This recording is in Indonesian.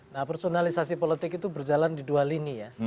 nah personalisasi politik itu berjalan di dua lini ya